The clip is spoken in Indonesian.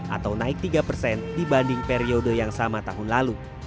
atau naik tiga persen dibanding periode yang sama tahun lalu